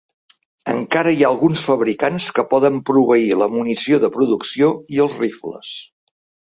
Encara hi ha alguns fabricants que poden proveir la munició de producció i els rifles.